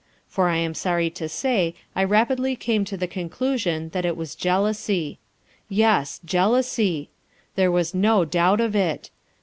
For I am sorry to say I rapidly came to the conclusion that it was jealousy. Yes, jealousy! There was no doubt of it.